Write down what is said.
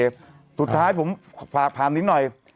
สุดท้ายผมภาพนิดหน่อย